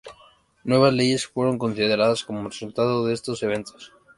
Nuevas leyes fueron consideradas como resultado de estos eventos.